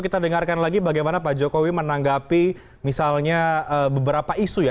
kita dengarkan lagi bagaimana pak jokowi menanggapi misalnya beberapa isu ya